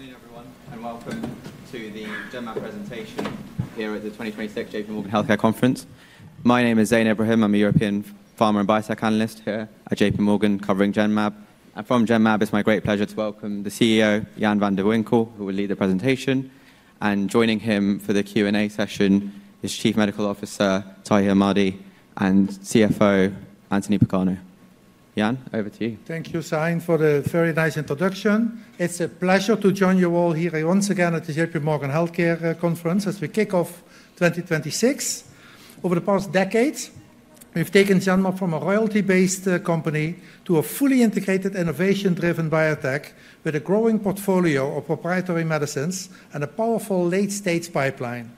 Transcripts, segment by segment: Good afternoon, everyone, and welcome to the Genmab presentation here at the 2026 JPMorgan Healthcare Conference. My name is Zain Ebrahim. I'm a European pharma and biotech analyst here at JPMorgan covering Genmab. And from Genmab, it's my great pleasure to welcome the CEO, Jan van de Winkel, who will lead the presentation. And joining him for the Q&A session is Chief Medical Officer, Tahamtan Ahmadi, and CFO, Anthony Pagano. Jan, over to you. Thank you, Zain, for the very nice introduction. It's a pleasure to join you all here once again at the JPMorgan Healthcare Conference as we kick off 2026. Over the past decade, we've taken Genmab from a royalty-based company to a fully integrated, innovation-driven biotech with a growing portfolio of proprietary medicines and a powerful late-stage pipeline.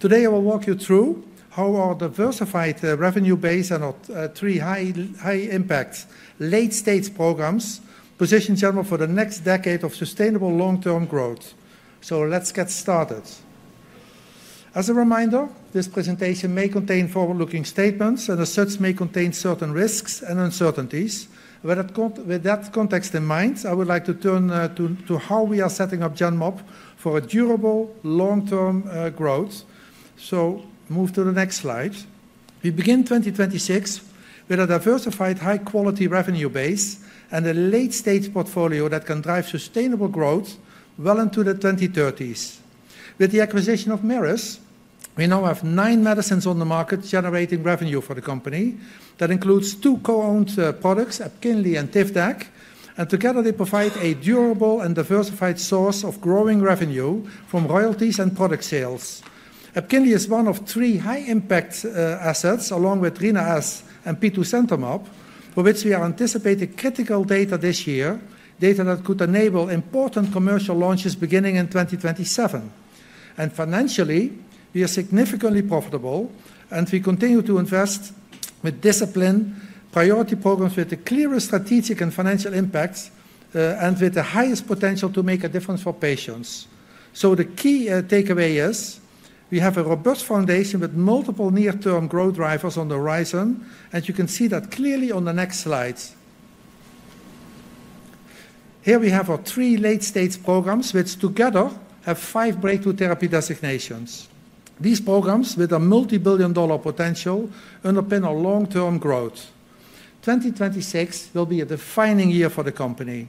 Today, I will walk you through how our diversified revenue-based and three high-impact late-stage programs position Genmab for the next decade of sustainable long-term growth. So let's get started. As a reminder, this presentation may contain forward-looking statements, and as such may contain certain risks and uncertainties. With that context in mind, I would like to turn to how we are setting up Genmab for a durable long-term growth. So move to the next slide. We begin 2026 with a diversified, high-quality revenue base and a late-stage portfolio that can drive sustainable growth well into the 2030s. With the acquisition of Merus, we now have nine medicines on the market generating revenue for the company. That includes two co-owned products, Epkinly and Tivdak. Together, they provide a durable and diversified source of growing revenue from royalties and product sales. Epkinly is one of three high-impact assets, along with Rina-S and Petosemtamab, for which we are anticipating critical data this year, data that could enable important commercial launches beginning in 2027. Financially, we are significantly profitable, and we continue to invest with discipline, priority programs with the clearest strategic and financial impacts, and with the highest potential to make a difference for patients. So the key takeaway is we have a robust foundation with multiple near-term growth drivers on the horizon, and you can see that clearly on the next slides. Here we have our three late-stage programs, which together have five breakthrough therapy designations. These programs, with a multi-billion-dollar potential, underpin our long-term growth. 2026 will be a defining year for the company.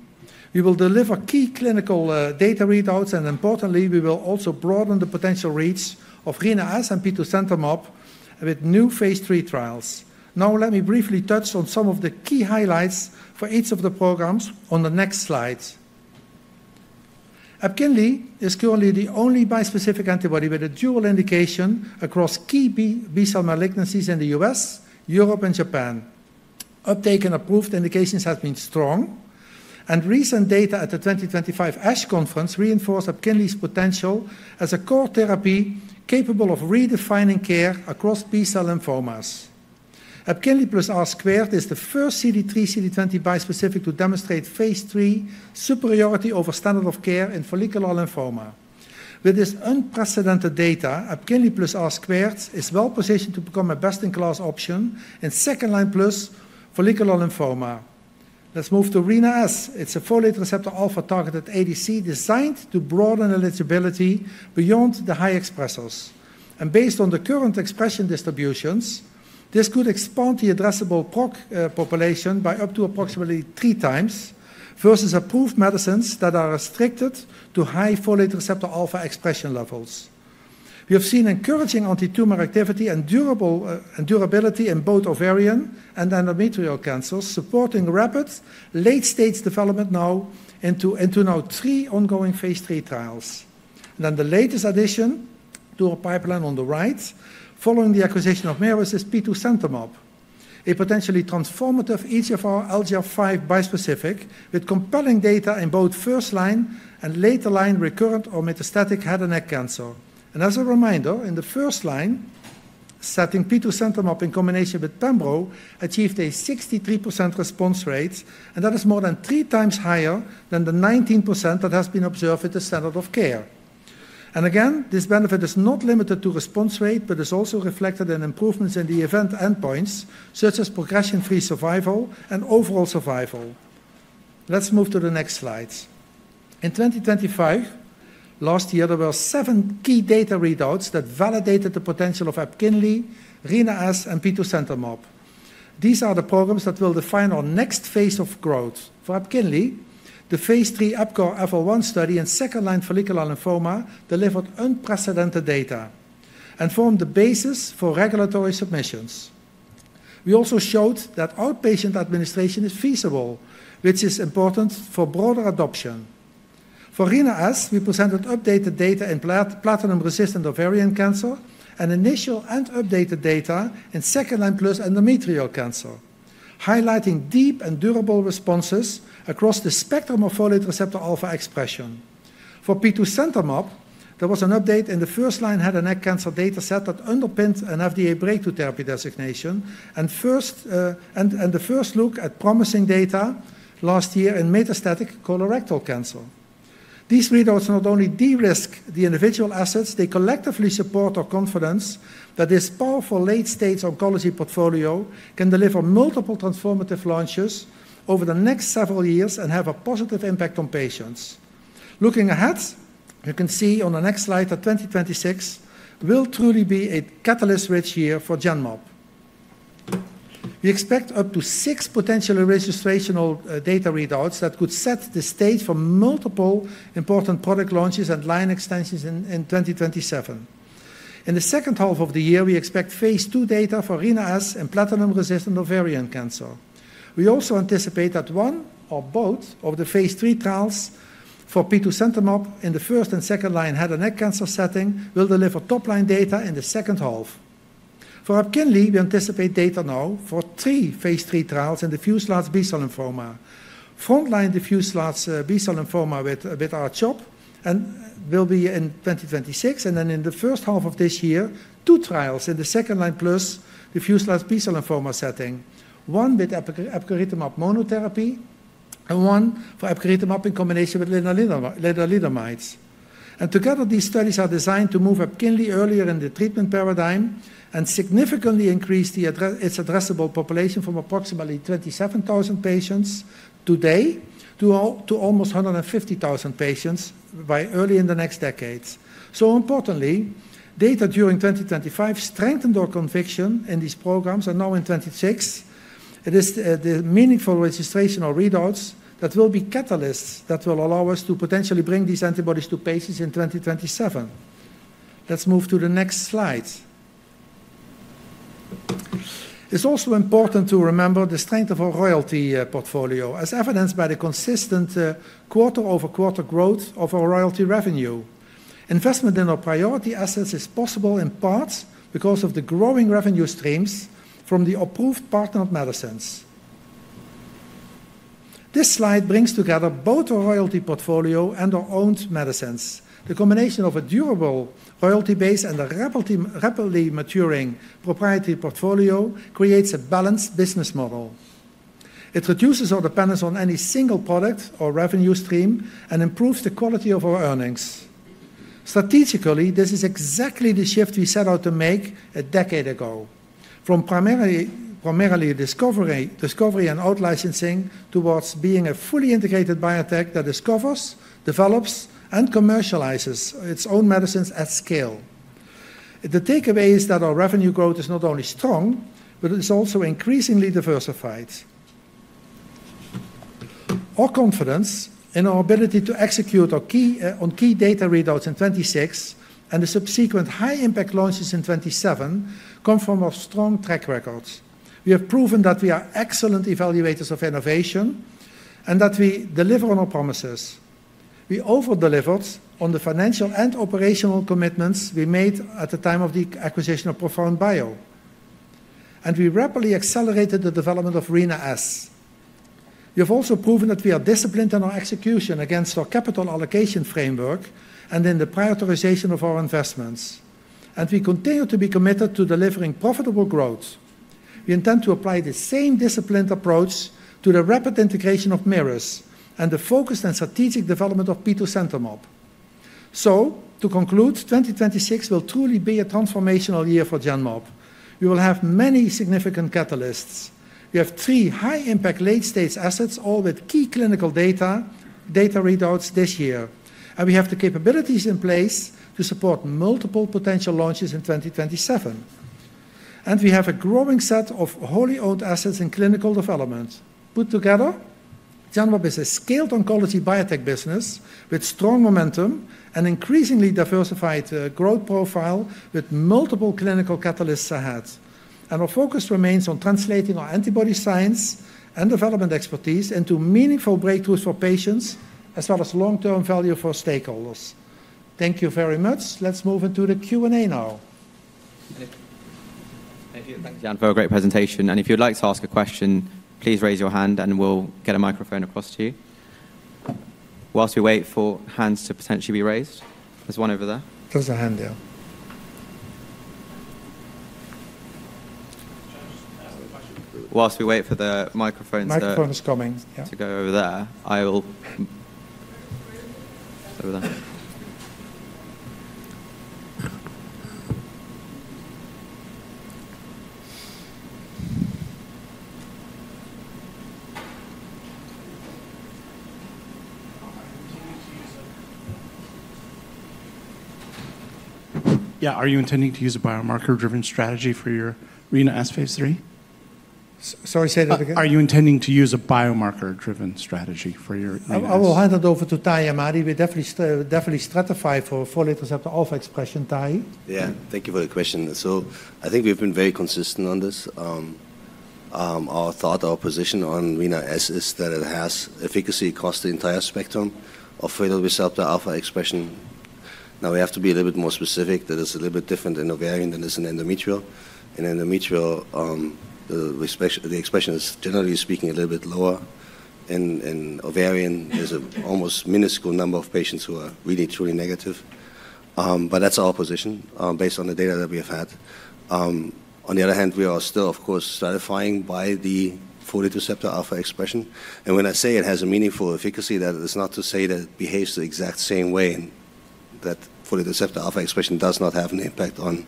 We will deliver key clinical data readouts, and importantly, we will also broaden the potential reach of Rina-S and petosemtamab with new phase III trials. Now, let me briefly touch on some of the key highlights for each of the programs on the next slides. Epkinly is currently the only bispecific antibody with a dual indication across key B-cell malignancies in the U.S., Europe, and Japan. Uptake and approved indications have been strong, and recent data at the 2025 ASH conference reinforced Epkinly's potential as a core therapy capable of redefining care across B-cell lymphomas. Epkinly plus R-squared is the first CD3/CD20 bispecific to demonstrate phase III superiority over standard of care in follicular lymphoma. With this unprecedented data, Epkinly plus R-squared is well positioned to become a best-in-class option in second-line plus follicular lymphoma. Let's move to Rina-S. It's a folate receptor alpha-targeted ADC designed to broaden eligibility beyond the high expressors. Based on the current expression distributions, this could expand the addressable FRα population by up to approximately three times versus approved medicines that are restricted to high folate receptor alpha expression levels. We have seen encouraging anti-tumor activity and durability in both ovarian and endometrial cancers, supporting rapid late-stage development now into three ongoing phase III trials. Then the latest addition to our pipeline on the right, following the acquisition of Merus, is petosemtamab, a potentially transformative EGFR LGR5 bispecific with compelling data in both first-line and later-line recurrent or metastatic head and neck cancer. As a reminder, in the first-line setting petosemtamab in combination with Pembro achieved a 63% response rate, and that is more than three times higher than the 19% that has been observed with the standard of care. Again, this benefit is not limited to response rate, but is also reflected in improvements in the event endpoints, such as progression-free survival and overall survival. Let's move to the next slides. In 2025, last year, there were seven key data readouts that validated the potential of Epkinly, Rina-S, and petosemtamab. These are the programs that will define our next phase of growth. For Epkinly, the phase III EPCORE FL-1 study in second-line follicular lymphoma delivered unprecedented data and formed the basis for regulatory submissions. We also showed that outpatient administration is feasible, which is important for broader adoption. For Rina-S, we presented updated data in platinum-resistant ovarian cancer and initial and updated data in second-line plus endometrial cancer, highlighting deep and durable responses across the spectrum of folate receptor alpha expression. For petosemtamab, there was an update in the first-line head and neck cancer data set that underpinned an FDA breakthrough therapy designation and the first look at promising data last year in metastatic colorectal cancer. These readouts not only de-risk the individual assets, they collectively support our confidence that this powerful late-stage oncology portfolio can deliver multiple transformative launches over the next several years and have a positive impact on patients. Looking ahead, you can see on the next slide that 2026 will truly be a catalyst-rich year for Genmab. We expect up to six potential registrational data readouts that could set the stage for multiple important product launches and line extensions in 2027. In the second half of the year, we expect phase II data for Rina-S and platinum-resistant ovarian cancer. We also anticipate that one or both of the phase III trials for petosemtamab in the first- and second-line head and neck cancer setting will deliver top-line data in the second half. For Epkinly, we anticipate data now for three phase III trials in diffuse large B-cell lymphoma. Front-line diffuse large B-cell lymphoma with R-CHOP will be in 2026, and then in the first half of this year, two trials in the second-line plus diffuse large B-cell lymphoma setting, one with Epcoritamab monotherapy, and one for Epcoritamab in combination with lenalidomide, and together, these studies are designed to move Epkinly earlier in the treatment paradigm and significantly increase its addressable population from approximately 27,000 patients today to almost 150,000 patients by early in the next decade, so importantly, data during 2025 strengthened our conviction in these programs, and now in 2026, it is the meaningful registration or readouts that will be catalysts that will allow us to potentially bring these antibodies to patients in 2027. Let's move to the next slide. It's also important to remember the strength of our royalty portfolio, as evidenced by the consistent quarter-over-quarter growth of our royalty revenue. Investment in our priority assets is possible in part because of the growing revenue streams from the approved partnered medicines. This slide brings together both our royalty portfolio and our owned medicines. The combination of a durable royalty base and a rapidly maturing proprietary portfolio creates a balanced business model. It reduces our dependence on any single product or revenue stream and improves the quality of our earnings. Strategically, this is exactly the shift we set out to make a decade ago, from primarily discovery and outlicensing towards being a fully integrated biotech that discovers, develops, and commercializes its own medicines at scale. The takeaway is that our revenue growth is not only strong, but it is also increasingly diversified. Our confidence in our ability to execute on key data readouts in 2026 and the subsequent high-impact launches in 2027 come from our strong track records. We have proven that we are excellent evaluators of innovation and that we deliver on our promises. We over-delivered on the financial and operational commitments we made at the time of the acquisition of ProfoundBio, and we rapidly accelerated the development of Rina-S. We have also proven that we are disciplined in our execution against our capital allocation framework and in the prioritization of our investments, and we continue to be committed to delivering profitable growth. We intend to apply the same disciplined approach to the rapid integration of Merus and the focused and strategic development of petosemtamab, so to conclude, 2026 will truly be a transformational year for Genmab. We will have many significant catalysts. We have three high-impact late-stage assets, all with key clinical data readouts this year, and we have the capabilities in place to support multiple potential launches in 2027. And we have a growing set of wholly owned assets in clinical development. Put together, Genmab is a scaled oncology biotech business with strong momentum and increasingly diversified growth profile with multiple clinical catalysts ahead. And our focus remains on translating our antibody science and development expertise into meaningful breakthroughs for patients, as well as long-term value for stakeholders. Thank you very much. Let's move into the Q&A now. Thank you, Jan, for a great presentation. And if you'd like to ask a question, please raise your hand and we'll get a microphone across to you. While we wait for hands to potentially be raised, there's one over there. There's a hand there. While we wait for the microphones. Microphone is coming. To go over there, I will. Yeah, are you intending to use a biomarker-driven strategy for your Rina-S phase III? Sorry, say that again. Are you intending to use a biomarker-driven strategy for your? I will hand it over to Tai Ahmadi. We definitely stratify for folate receptor alpha expression, Tai. Yeah, thank you for the question. So I think we've been very consistent on this. Our thought, our position on Rina-S is that it has efficacy across the entire spectrum of folate receptor alpha expression. Now, we have to be a little bit more specific. That is a little bit different in ovarian than it is in endometrial. In endometrial, the expression is, generally speaking, a little bit lower. In ovarian, there's an almost minuscule number of patients who are really, truly negative. But that's our position based on the data that we have had. On the other hand, we are still, of course, stratifying by the folate receptor alpha expression. When I say it has a meaningful efficacy, that is not to say that it behaves the exact same way and that folate receptor alpha expression does not have an impact on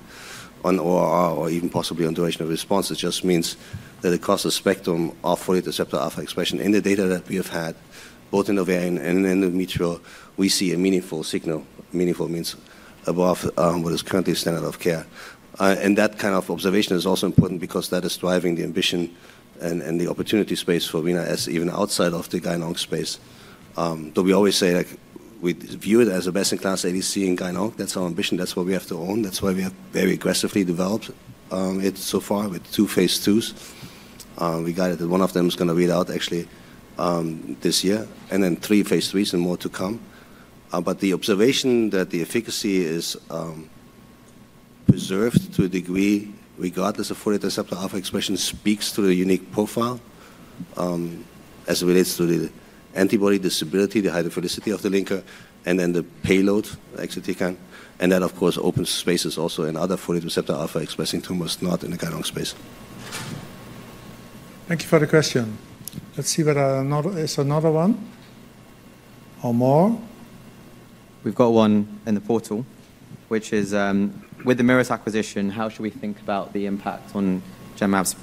ORR or even possibly on duration of response. It just means that across the spectrum of folate receptor alpha expression in the data that we have had, both in ovarian and in endometrial, we see a meaningful signal. Meaningful means above what is currently standard of care. That kind of observation is also important because that is driving the ambition and the opportunity space for Rina-S even outside of the guideline space. We always say we view it as a best-in-class ADC in guideline. That's our ambition. That's what we have to own. That's why we have very aggressively developed it so far with two phase IIs. We got it that one of them is going to read out actually this year, and then three phase IIIs and more to come. But the observation that the efficacy is preserved to a degree regardless of folate receptor alpha expression speaks to the unique profile as it relates to the antibody stability, the hydrophilicity of the linker, and then the payload exatecan. And that, of course, opens spaces also in other folate receptor alpha expressing tumors, not in the guideline space. Thank you for the question. Let's see whether there's another one or more. We've got one in the portal, which is with the Merus acquisition, how should we think about the impact on Genmab's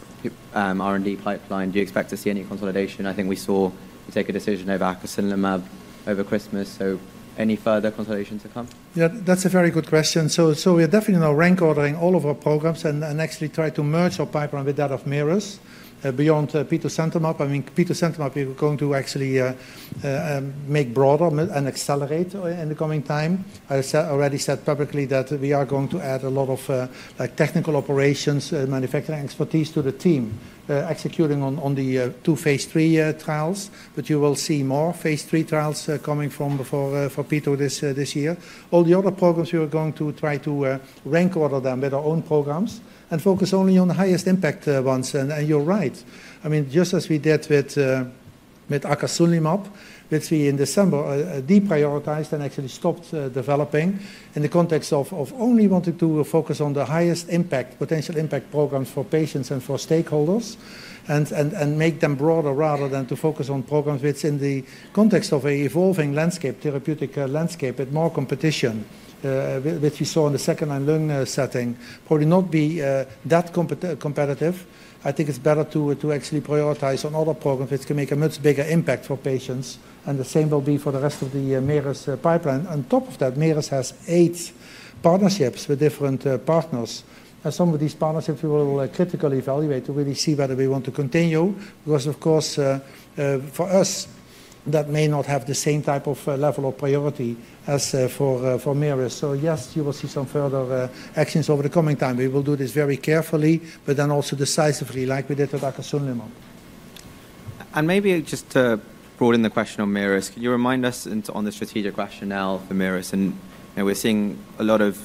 R&D pipeline? Do you expect to see any consolidation? I think we saw we take a decision over Acasunlimab over Christmas. So any further consolidation to come? Yeah, that's a very good question. So we are definitely now rank ordering all of our programs and actually try to merge our pipeline with that of Merus beyond petosemtamab. I mean, petosemtamab, we're going to actually make broader and accelerate in the coming time. I already said publicly that we are going to add a lot of technical operations and manufacturing expertise to the team executing on the two phase III trials. But you will see more phase III trials coming from petosemtamab this year. All the other programs, we are going to try to rank order them with our own programs and focus only on the highest impact ones. And you're right. I mean, just as we did with Acasunlimab, which we in December deprioritized and actually stopped developing in the context of only wanting to focus on the highest impact, potential impact programs for patients and for stakeholders and make them broader rather than to focus on programs which in the context of an evolving therapeutic landscape with more competition, which we saw in the second-line lung setting, probably not be that competitive. I think it's better to actually prioritize on other programs which can make a much bigger impact for patients. And the same will be for the rest of the Merus pipeline. On top of that, Merus has eight partnerships with different partners. And some of these partnerships we will critically evaluate to really see whether we want to continue. Because, of course, for us, that may not have the same type of level of priority as for Merus. So yes, you will see some further actions over the coming time. We will do this very carefully, but then also decisively, like we did with Acasunlimab. Maybe just to broaden the question on Merus, could you remind us on the strategic rationale for Merus? We're seeing a lot of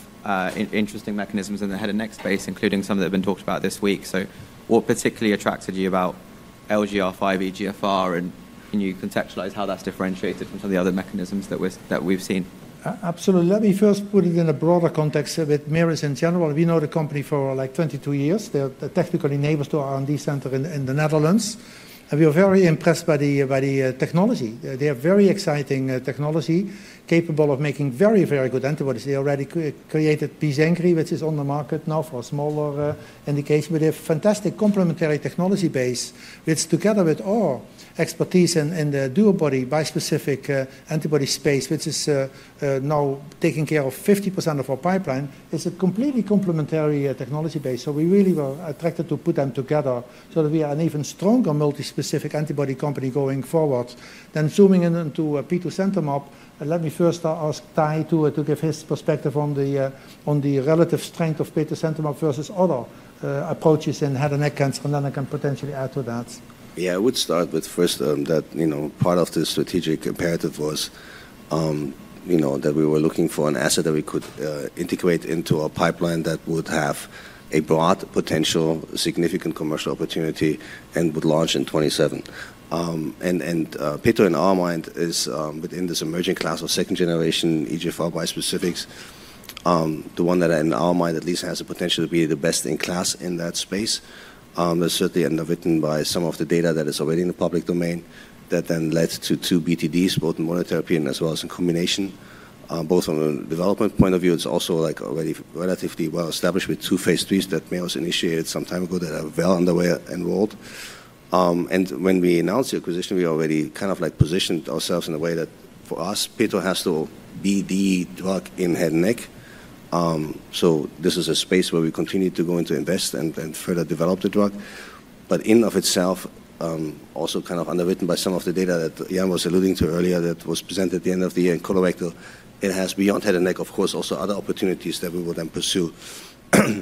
interesting mechanisms in the head and neck space, including some that have been talked about this week. What particularly attracted you about LGR5, EGFR, and can you contextualize how that's differentiated from some of the other mechanisms that we've seen? Absolutely. Let me first put it in a broader context with Merus in general. We know the company for like 22 years. They're the technical enablers to R&D center in the Netherlands, and we are very impressed by the technology. They have very exciting technology capable of making very, very good antibodies. They already created Pzenkry, which is on the market now for a smaller indication. But they have a fantastic complementary technology base which, together with our expertise in the DuoBody bispecific antibody space, which is now taking care of 50% of our pipeline, is a completely complementary technology base, so we really were attracted to put them together so that we have an even stronger multi-specific antibody company going forward. Then zooming into petosemtamab, let me first ask Tai to give his perspective on the relative strength of petosemtamab versus other approaches in head and neck cancer. And then I can potentially add to that. Yeah, I would start with first that part of the strategic imperative was that we were looking for an asset that we could integrate into our pipeline that would have a broad potential, significant commercial opportunity, and would launch in 2027. P2, in our mind, is within this emerging class of second-generation EGFR bispecifics, the one that, in our mind, at least has the potential to be the best in class in that space. That's certainly underwritten by some of the data that is already in the public domain that then led to two BTDs, both in monotherapy and as well as in combination. Both from a development point of view, it's also already relatively well established with two phase IIIs that Merus initiated some time ago that are well underway and enrolled. And when we announced the acquisition, we already kind of positioned ourselves in a way that, for us, P2 has to be the drug in head and neck. So this is a space where we continue to invest and further develop the drug. But in and of itself, also kind of underwritten by some of the data that Jan was alluding to earlier that was presented at the end of the year and collaborated, it has beyond head and neck, of course, also other opportunities that we will then pursue.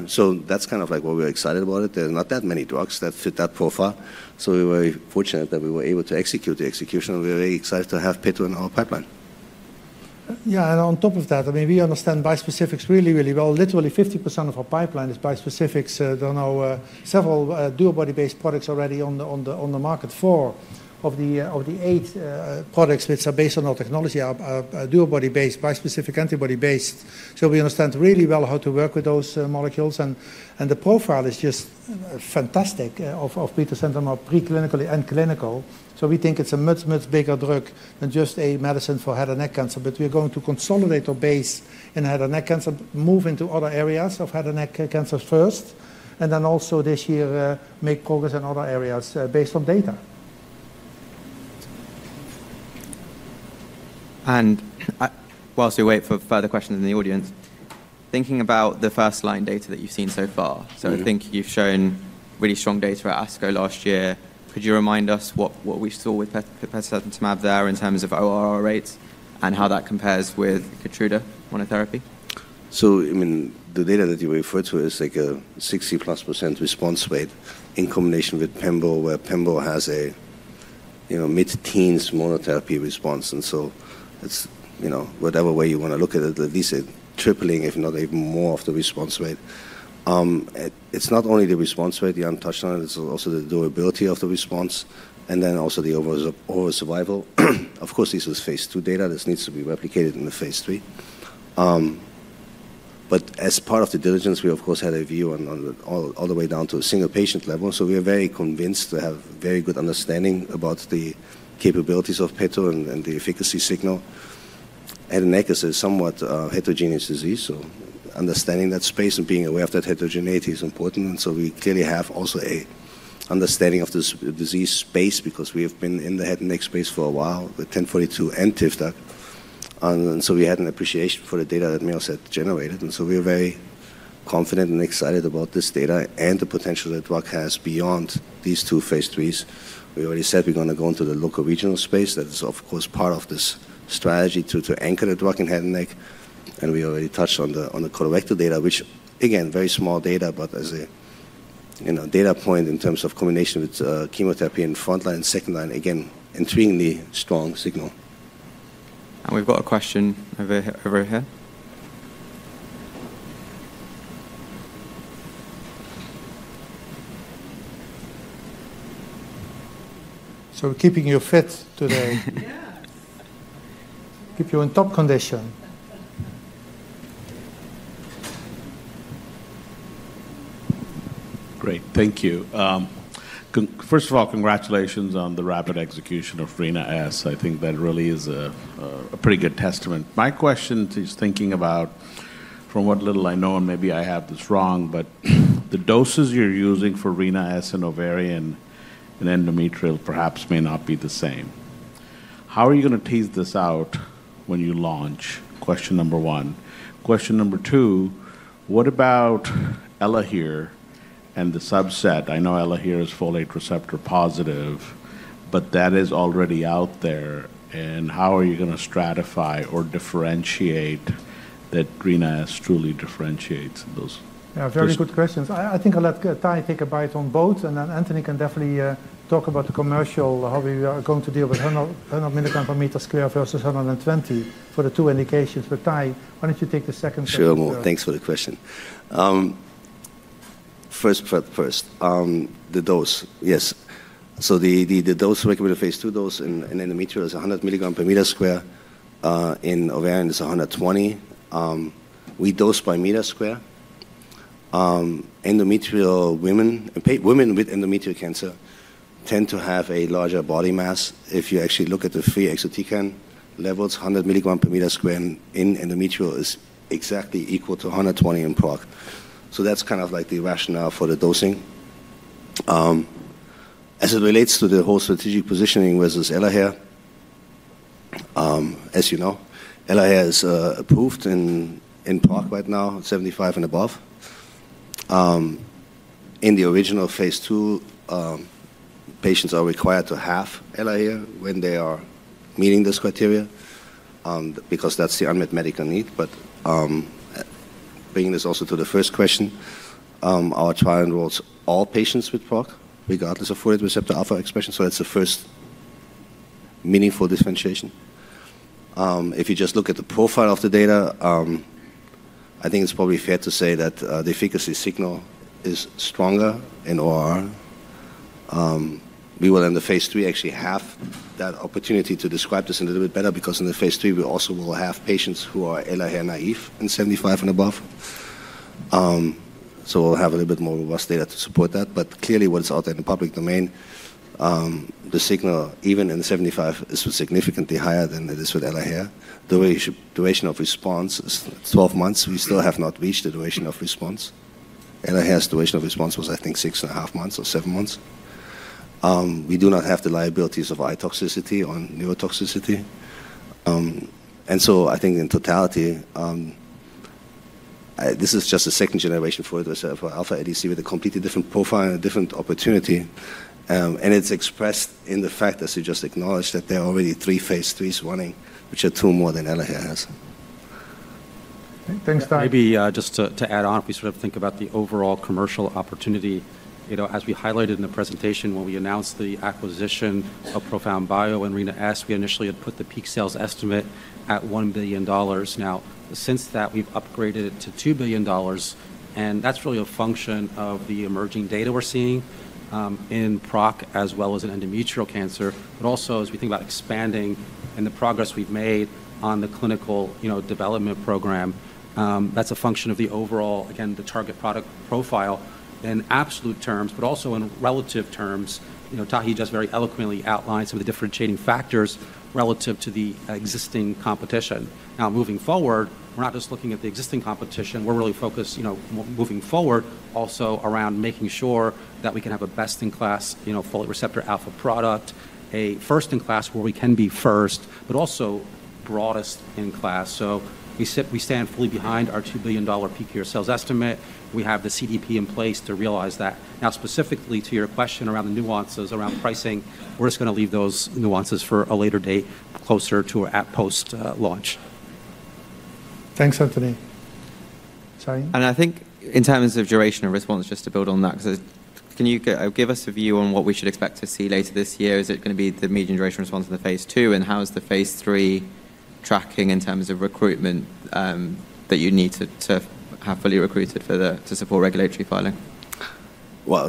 So that's kind of like why we're excited about it. There are not that many drugs that fit that profile. So we were fortunate that we were able to execute the execution. We're very excited to have P2 in our pipeline. Yeah, and on top of that, I mean, we understand bispecifics really, really well. Literally, 50% of our pipeline is bispecifics. There are now several DuoBody-based products already on the market, four of the eight products which are based on our technology, DuoBody-based, bispecific, antibody-based. So we understand really well how to work with those molecules. And the profile is just fantastic of petosemtamab preclinically and clinically. So we think it's a much, much bigger drug than just a medicine for head and neck cancer. But we're going to consolidate our base in head and neck cancer, move into other areas of head and neck cancer first, and then also this year make progress in other areas based on data. While we wait for further questions in the audience, thinking about the first-line data that you've seen so far, so I think you've shown really strong data at ASCO last year. Could you remind us what we saw with Petosemtamab there in terms of ORR rates and how that compares with Keytruda monotherapy? I mean, the data that you referred to is like a 60-plus% response rate in combination with Pembo, where Pembo has a mid-teens monotherapy response. And so whatever way you want to look at it, at least a tripling, if not even more of the response rate. It's not only the response rate Jan touched on, it's also the durability of the response, and then also the overall survival. Of course, this was phase II data. This needs to be replicated in the phase III. But as part of the diligence, we, of course, had a view all the way down to a single patient level. So we are very convinced to have very good understanding about the capabilities of P2 and the efficacy signal. Head and neck is a somewhat heterogeneous disease. So understanding that space and being aware of that heterogeneity is important. And so we clearly have also an understanding of this disease space because we have been in the head and neck space for a while with GEN1042 and Tivdak. And so we had an appreciation for the data that Merus had generated. And so we are very confident and excited about this data and the potential that the drug has beyond these two phase IIIs. We already said we're going to go into the local regional space. That is, of course, part of this strategy to anchor the drug in head and neck. And we already touched on the colorectal data, which, again, very small data, but as a data point in terms of combination with chemotherapy in front line and second line, again, intriguingly strong signal. And we've got a question over here. So keeping you fit today. Keep you in top condition. Great, thank you. First of all, congratulations on the rapid execution of Rina-S. I think that really is a pretty good testament. My question is thinking about from what little I know, and maybe I have this wrong, but the doses you're using for Rina-S in ovarian and endometrial perhaps may not be the same. How are you going to tease this out when you launch? Question number one. Question number two, what about Elahere and the subset? I know Elahere is folate receptor positive, but that is already out there. And how are you going to stratify or differentiate that Rina-S truly differentiates those? Yeah, very good questions. I think I'll let Tai take a bite on both. And then Anthony can definitely talk about the commercial, how we are going to deal with 100 milligrams per square meter versus 120 for the two indications. But Tai, why don't you take the second question? Sure, thanks for the question. First, the dose, yes. So the dose recommended phase II dose in endometrial is 100 milligrams per square meter. In ovarian, it's 120. We dose by square meter. Endometrial women with endometrial cancer tend to have a larger body mass. If you actually look at the free exatecan levels, 100 milligrams per square meter in endometrial is exactly equal to 120 in ovarian. So that's kind of like the rationale for the dosing. As it relates to the whole strategic positioning versus Elahere, as you know, Elahere is approved in ovarian right now, 75 and above. In the original phase II, patients are required to have FRα when they are meeting this criteria because that's the unmet medical need. But bringing this also to the first question, our trial enrolls all patients with ovarian, regardless of folate receptor alpha expression. That's the first meaningful differentiation. If you just look at the profile of the data, I think it's probably fair to say that the efficacy signal is stronger in ORR. We will, in the phase III, actually have that opportunity to describe this a little bit better because in the phase III, we also will have patients who are Elahere naive and 75 and above. We'll have a little bit more robust data to support that. But clearly, what is out there in the public domain, the signal, even in 75, is significantly higher than it is with Elahere. The duration of response is 12 months. We still have not reached the duration of response. Elahere's duration of response was, I think, six and a half months or seven months. We do not have the liabilities of eye toxicity or neurotoxicity. I think in totality, this is just a second-generation folate receptor alpha ADC with a completely different profile and a different opportunity. It is expressed in the fact, as you just acknowledged, that there are already three phase IIIs running, which are two more than Elahere has. Thanks, Tai. Maybe just to add on, if we sort of think about the overall commercial opportunity, as we highlighted in the presentation when we announced the acquisition of ProfoundBio and Rina-S, we initially had put the peak sales estimate at $1 billion. Now, since that, we've upgraded it to $2 billion. And that's really a function of the emerging data we're seeing in ovarian as well as in endometrial cancer. But also, as we think about expanding and the progress we've made on the clinical development program, that's a function of the overall, again, the target product profile in absolute terms, but also in relative terms. Tai just very eloquently outlined some of the differentiating factors relative to the existing competition. Now, moving forward, we're not just looking at the existing competition. We're really focused moving forward also around making sure that we can have a best-in-class folate receptor alpha product, a first-in-class where we can be first, but also broadest in class. So we stand fully behind our $2 billion peak year sales estimate. We have the CDP in place to realize that. Now, specifically to your question around the nuances around pricing, we're just going to leave those nuances for a later date, closer to our post-launch. Thanks, Anthony. I think in terms of duration and response, just to build on that, can you give us a view on what we should expect to see later this year? Is it going to be the median duration response in the phase II? How is the phase III tracking in terms of recruitment that you need to have fully recruited to support regulatory filing?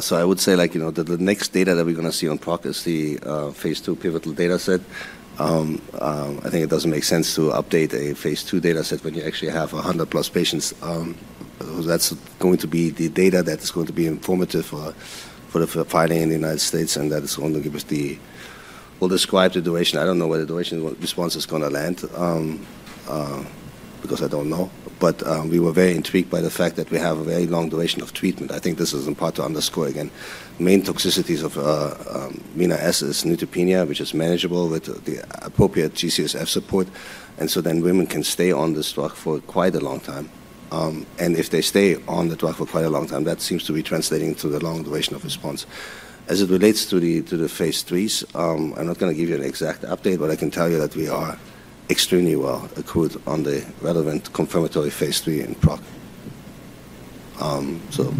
So I would say that the next data that we're going to see on Rina-S is the phase II pivotal data set. I think it doesn't make sense to update a phase II data set when you actually have 100-plus patients. That's going to be the data that is going to be informative for the filing in the United States. That is going to give us that will describe the duration. I don't know where the duration response is going to land because I don't know. We were very intrigued by the fact that we have a very long duration of treatment. I think this is important to underscore again. Main toxicities of Rina-S is neutropenia, which is manageable with the appropriate G-CSF support. Women can stay on this drug for quite a long time. And if they stay on the drug for quite a long time, that seems to be translating to the long duration of response. As it relates to the phase IIIs, I'm not going to give you an exact update, but I can tell you that we are extremely well accrued on the relevant confirmatory phase III in PROC. So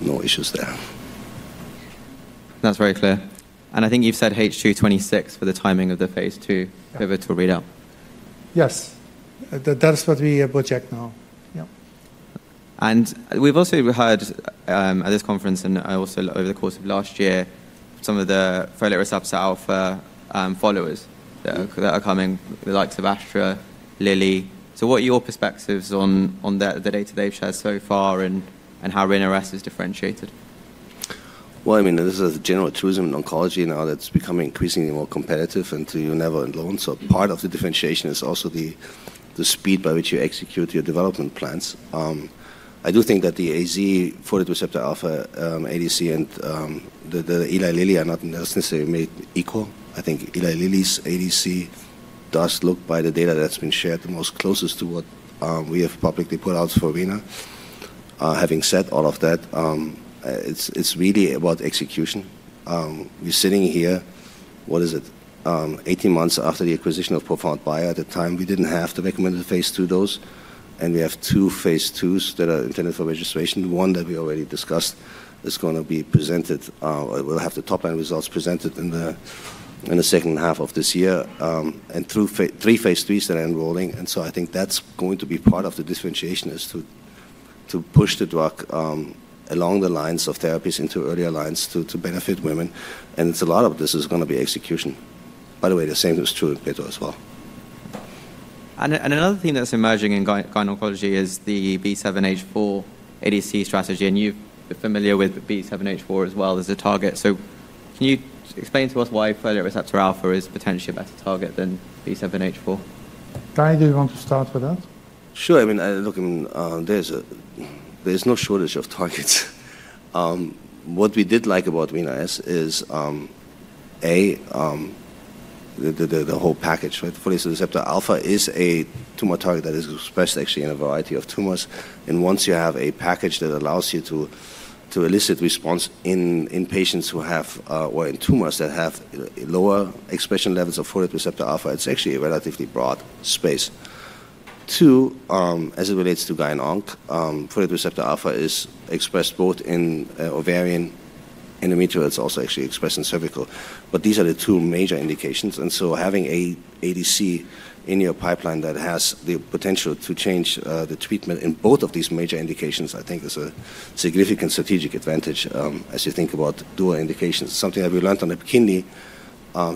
no issues there. That's very clear, and I think you've said H226 for the timing of the phase II pivotal readout. Yes, that's what we project now. Yeah. And we've also heard at this conference, and also over the course of last year, some of the folate receptor alpha followers that are coming, like Elahere, Lilly. So what are your perspectives on the data they've shared so far and how Rina-S is differentiated? Well, I mean, this is a general truism in oncology now that's becoming increasingly more competitive and too, you're never alone. So part of the differentiation is also the speed by which you execute your development plans. I do think that the AZ folate receptor alpha ADC and the Eli Lilly are not necessarily made equal. I think Eli Lilly's ADC does look by the data that's been shared the most closest to what we have publicly put out for Rina. Having said all of that, it's really about execution. We're sitting here, what is it, 18 months after the acquisition of ProfoundBio at the time. We didn't have the recommended phase III dose. And we have phase IIs that are intended for registration. One that we already discussed is going to be presented. We'll have the top line results presented in the second half of this year and three phase IIIs that are enrolling, and so I think that's going to be part of the differentiation, is to push the drug along the lines of therapies into earlier lines to benefit women, and a lot of this is going to be execution. By the way, the same is true in P2 as well. Another thing that's emerging in gynecology is the B7-H4 ADC strategy. You're familiar with B7-H4 as well as a target. Can you explain to us why folate receptor alpha is potentially a better target than B7-H4? Tai, do you want to start with that? Sure. I mean, look, there's no shortage of targets. What we did like about Rina-S is, A, the whole package. Folate receptor alpha is a tumor target that is expressed actually in a variety of tumors. And once you have a package that allows you to elicit response in patients who have or in tumors that have lower expression levels of folate receptor alpha, it's actually a relatively broad space. Two, as it relates to gyne-onc, folate receptor alpha is expressed both in ovarian, endometrial. It's also actually expressed in cervical. But these are the two major indications. And so having an ADC in your pipeline that has the potential to change the treatment in both of these major indications, I think is a significant strategic advantage as you think about dual indications. Something that we learned on the Epkinly,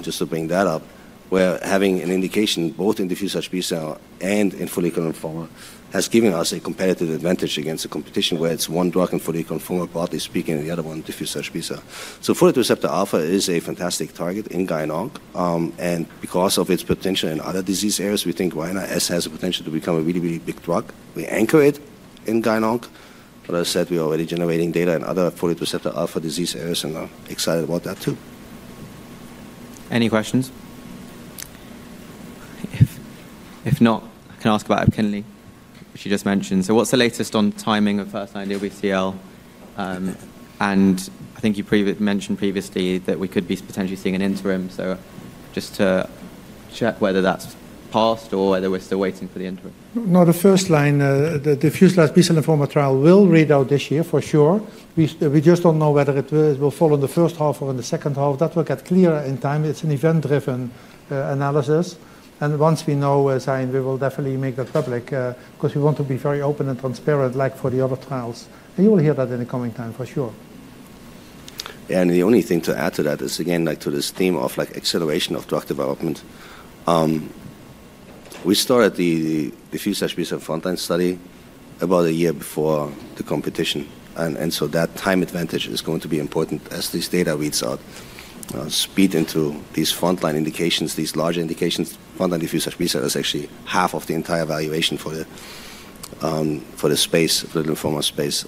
just to bring that up, where having an indication both in diffuse large B-cell and in follicular lymphoma has given us a competitive advantage against the competition where it's one drug in follicular lymphoma, broadly speaking, and the other one in diffuse large B-cell. So folate receptor alpha is a fantastic target in ovarian. And because of its potential in other disease areas, we think Rina-S has the potential to become a really, really big drug. We anchor it in ovarian. But as I said, we're already generating data in other folate receptor alpha disease areas, and I'm excited about that too. Any questions? If not, I can ask about Epkinly, which you just mentioned. So what's the latest on timing of first line DLBCL? And I think you mentioned previously that we could be potentially seeing an interim. So just to check whether that's passed or whether we're still waiting for the interim. No, the first line, the diffuse large B-cell lymphoma trial will read out this year for sure. We just don't know whether it will fall in the first half or in the second half. That will get clearer in time. It's an event-driven analysis. And once we know, we will definitely make that public because we want to be very open and transparent like for the other trials. And you will hear that in the coming time for sure. Yeah, and the only thing to add to that is, again, to this theme of acceleration of drug development. We started the diffuse large B-cell frontline study about a year before the competition. And so that time advantage is going to be important as this data reads out. Speed into these frontline indications, these larger indications, frontline diffuse large B-cell is actually half of the entire valuation for the space, for the oncology space,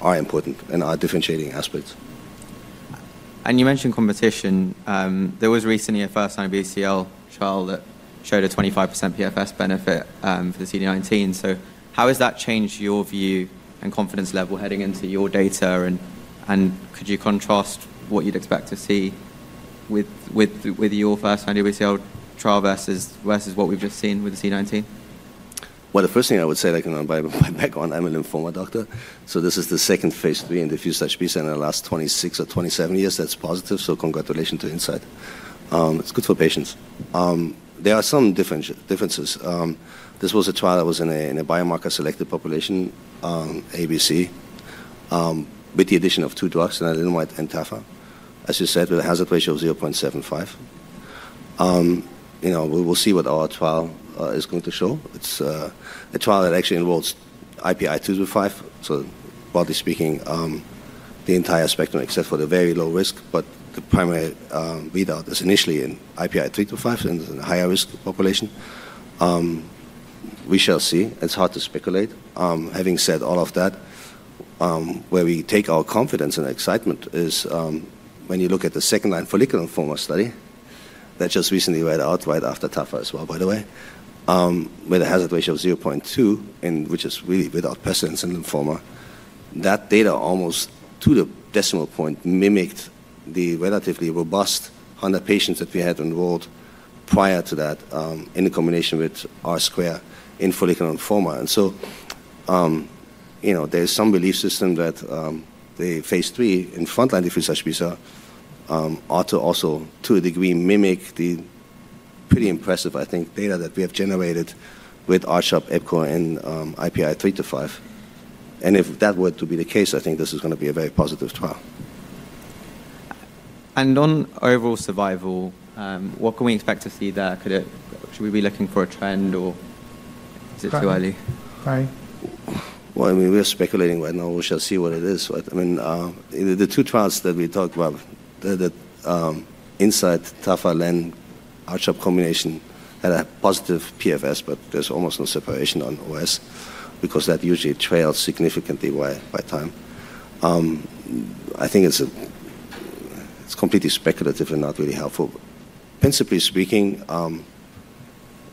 are important and are differentiating aspects. And you mentioned competition. There was recently a first-line BCL trial that showed a 25% PFS benefit for the CD19. So how has that changed your view and confidence level heading into your data? And could you contrast what you'd expect to see with your first-line BCL trial versus what we've just seen with the CD19? The first thing I would say, by background, I'm an oncologist. So this is the second phase III in diffuse large B-cell in the last 26 or 27 years. That's positive. So congratulations to Incyte. It's good for patients. There are some differences. This was a trial that was in a biomarker-selected population, ABC, with the addition of two drugs, Revlimid and Tafa, as you said, with a hazard ratio of 0.75. We will see what our trial is going to show. It's a trial that actually involves IPI 2 to 5. So broadly speaking, the entire spectrum except for the very low risk. But the primary readout is initially in IPI 3 to 5 in the higher risk population. We shall see. It's hard to speculate. Having said all of that, where we take our confidence and excitement is when you look at the second-line follicular lymphoma study that just recently read out right after Tafa as well, by the way, with a hazard ratio of 0.2, which is really without precedence in lymphoma. That data almost to the decimal point mimicked the relatively robust 100 patients that we had enrolled prior to that in combination with R-squared in follicular lymphoma. And so there is some belief system that the phase III in frontline diffuse large B-cell lymphoma ought to also to a degree mimic the pretty impressive, I think, data that we have generated with R-CHOP, ABC, and IPI 3-5. And if that were to be the case, I think this is going to be a very positive trial. On overall survival, what can we expect to see there? Should we be looking for a trend or is it too early? I mean, we're speculating right now. We shall see what it is. I mean, the two trials that we talked about, the Incyte, Tafa, and R-CHOP combination, had a positive PFS, but there's almost no separation on OS because that usually trails significantly by time. I think it's completely speculative and not really helpful. Principally speaking,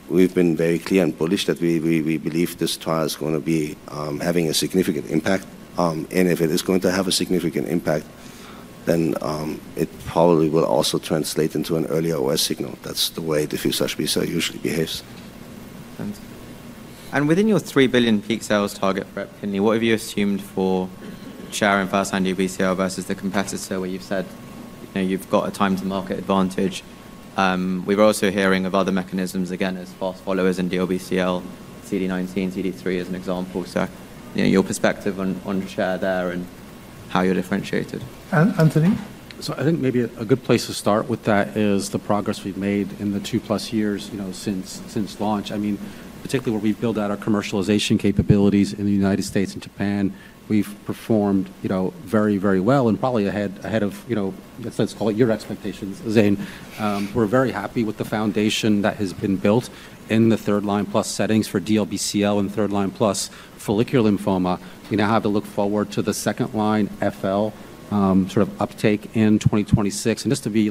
we've been very clear and bullish that we believe this trial is going to be having a significant impact. If it is going to have a significant impact, then it probably will also translate into an earlier OS signal. That's the way diffuse large B-cell usually behaves. Within your $3 billion peak sales target for Epkinly, what have you assumed for share in first-line DLBCL versus the competitor where you've said you've got a time-to-market advantage? We were also hearing of other mechanisms, again, as fast followers in DLBCL, CD19, CD3 as an example. So your perspective on share there and how you're differentiated? Anthony? I think maybe a good place to start with that is the progress we've made in the two-plus years since launch. I mean, particularly where we've built out our commercialization capabilities in the United States and Japan, we've performed very, very well and probably ahead of, let's call it your expectations, Zain. We're very happy with the foundation that has been built in the third-line plus settings for DLBCL and third-line plus follicular lymphoma. We now have to look forward to the second-line FL sort of uptake in 2026. And just to be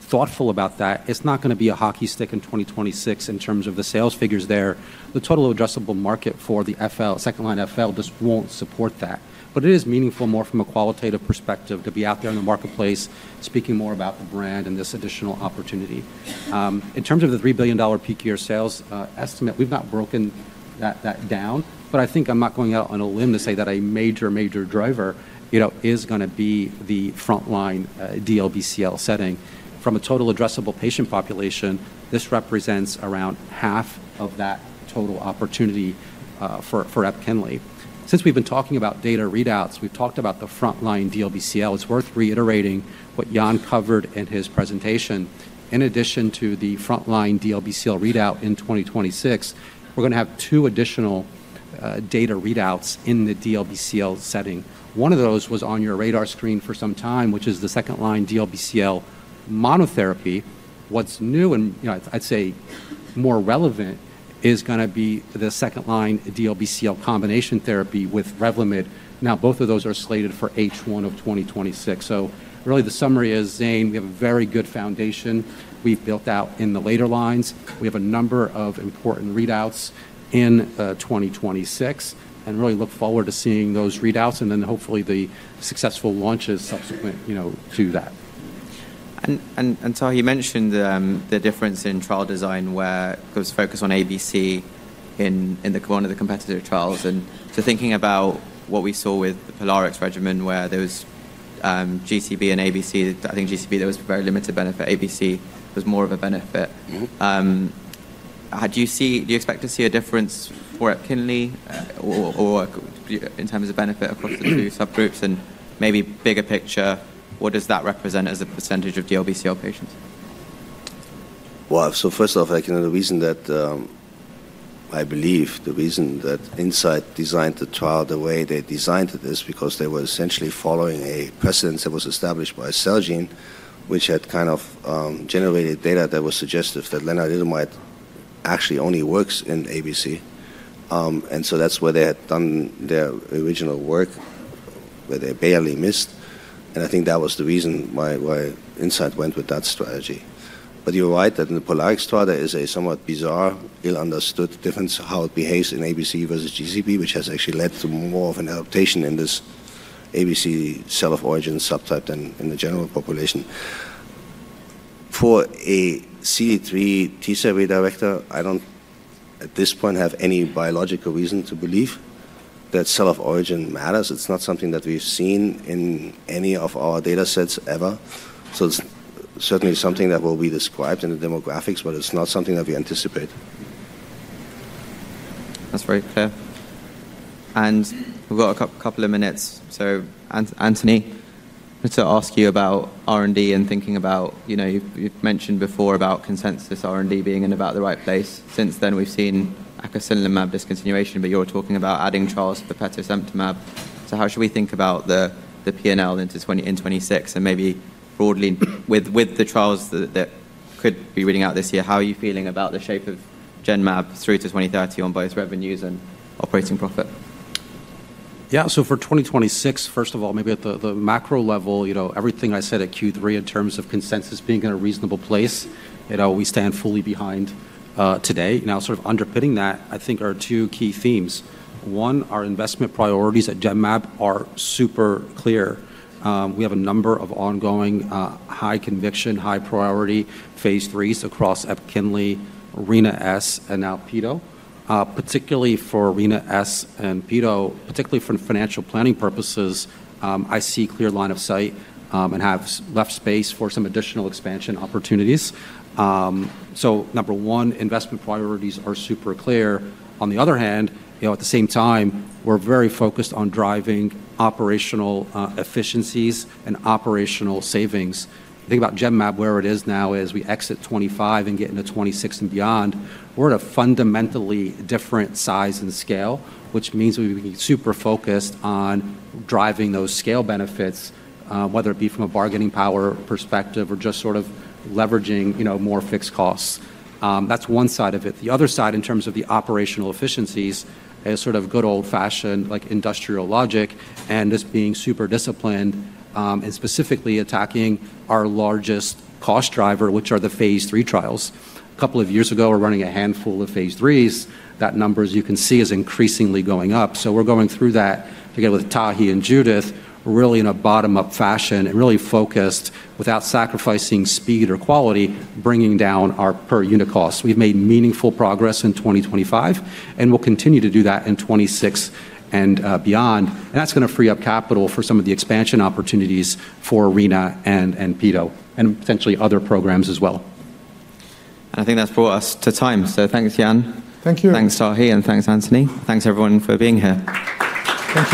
thoughtful about that, it's not going to be a hockey stick in 2026 in terms of the sales figures there. The total addressable market for the second-line FL just won't support that. But it is meaningful more from a qualitative perspective to be out there in the marketplace speaking more about the brand and this additional opportunity. In terms of the $3 billion peak year sales estimate, we've not broken that down. But I think I'm not going out on a limb to say that a major, major driver is going to be the frontline DLBCL setting. From a total addressable patient population, this represents around half of that total opportunity for Epkinly. Since we've been talking about data readouts, we've talked about the frontline DLBCL. It's worth reiterating what Jan covered in his presentation. In addition to the frontline DLBCL readout in 2026, we're going to have two additional data readouts in the DLBCL setting. One of those was on your radar screen for some time, which is the second-line DLBCL monotherapy. What's new, and I'd say more relevant, is going to be the second-line DLBCL combination therapy with Revlimid. Now, both of those are slated for H1 of 2026. Really, the summary is, Zain, we have a very good foundation we've built out in the later lines. We have a number of important readouts in 2026 and really look forward to seeing those readouts and then hopefully the successful launches subsequent to that. Tai mentioned the difference in trial design where it was focused on ABC in one of the competitor trials. Thinking about what we saw with the POLARIX regimen where there was GCB and ABC, I think GCB, there was very limited benefit. ABC was more of a benefit. Do you expect to see a difference for Epkinly in terms of benefit across the two subgroups? Maybe bigger picture, what does that represent as a percentage of DLBCL patients? So first off, the reason that I believe Incyte designed the trial the way they designed it is because they were essentially following a precedent that was established by Celgene, which had kind of generated data that was suggestive that Revlimid actually only works in ABC. And so that's where they had done their original work, where they barely missed. And I think that was the reason why Incyte went with that strategy. But you're right that in the POLARIX trial, there is a somewhat bizarre, poorly understood difference in how it behaves in ABC versus GCB, which has actually led to more of an adaptation in this ABC cell of origin subtype than in the general population. For a CD3 bispecific antibody, I don't at this point have any biological reason to believe that cell of origin matters. It's not something that we've seen in any of our data sets ever. So it's certainly something that will be described in the demographics, but it's not something that we anticipate. That's very clear. And we've got a couple of minutes. So Anthony, I want to ask you about R&D and thinking about you've mentioned before about consensus R&D being in about the right place. Since then, we've seen Acasunlimab discontinuation, but you're talking about adding trials for petosemtamab. So how should we think about the P&L in 2026? And maybe broadly, with the trials that could be running out this year, how are you feeling about the shape of Genmab through to 2030 on both revenues and operating profit? Yeah, so for 2026, first of all, maybe at the macro level, everything I said at Q3 in terms of consensus being in a reasonable place, we stand fully behind today. Now, sort of underpinning that, I think are two key themes. One, our investment priorities at Genmab are super clear. We have a number of ongoing high conviction, high priority phase IIIs across Epkinly, Rina-S, and now Pito. Particularly for Rina-S and Pito, particularly for financial planning purposes, I see a clear line of sight and have left space for some additional expansion opportunities. So number one, investment priorities are super clear. On the other hand, at the same time, we're very focused on driving operational efficiencies and operational savings. Think about Genmab where it is now as we exit 2025 and get into 2026 and beyond. We're at a fundamentally different size and scale, which means we're being super focused on driving those scale benefits, whether it be from a bargaining power perspective or just sort of leveraging more fixed costs. That's one side of it. The other side in terms of the operational efficiencies is sort of good old-fashioned industrial logic and this being super disciplined and specifically attacking our largest cost driver, which are the phase III trials. A couple of years ago, we're running a handful of phase III. That number, as you can see, is increasingly going up. So we're going through that together with Tai and Judith, really in a bottom-up fashion and really focused without sacrificing speed or quality, bringing down our per unit cost. We've made meaningful progress in 2025 and will continue to do that in 2026 and beyond. That's going to free up capital for some of the expansion opportunities for Rina and Pito and potentially other programs as well. I think that's brought us to time. Thanks, Jan. Thank you. Thanks, Tai, and thanks, Anthony. Thanks, everyone, for being here. Thank you.